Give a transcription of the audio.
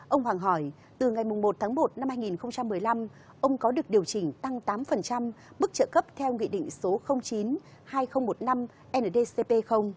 ông hoàng hỏi từ ngày một tháng một năm hai nghìn một mươi năm ông có được điều chỉnh tăng tám mức trợ cấp theo nghị định số chín hai nghìn một mươi năm ndcp